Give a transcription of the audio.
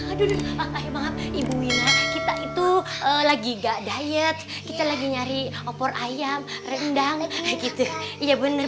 aduh ibu kita itu lagi gak diet kita lagi nyari opor ayam rendang begitu iya bener